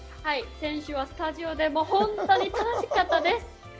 先週はスタジオで本当に楽しかったです。